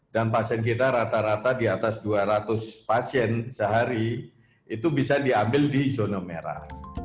dan pasien kita rata rata di atas dua ratus pasien sehari itu bisa diambil di zona merah